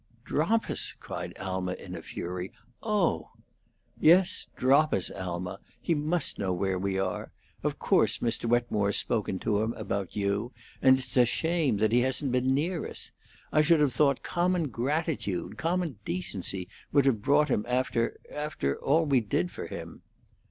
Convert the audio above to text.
"Drop us!" cried Alma, in a fury. "Oh!" "Yes, drop us, Alma. He must know where we are. Of course, Mr. Wetmore's spoken to him about you, and it's a shame that he hasn't been near us. I should have thought common gratitude, common decency, would have brought him after after all we did for him."